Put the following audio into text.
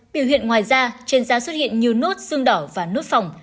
biểu hiện ngoài da trên da xuất hiện nhiều nốt xương đỏ và nốt phỏng